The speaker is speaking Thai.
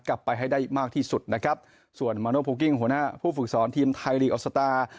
กลับไปให้ได้มากที่สุดนะครับส่วนมาโนโพลกิ้งหัวหน้าผู้ฝึกสอนทีมไทยลีกออกสตาร์